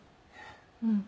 うん。